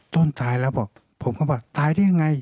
ต้นตายแล้วบอกผมก็บอกตายได้ยังไง